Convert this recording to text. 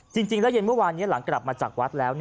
จริงแล้วเย็นเมื่อก็กลับมาจากวัดแล้ว